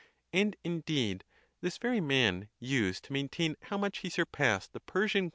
And, indeed, this very man used to maintain how much he surpassed the Persian.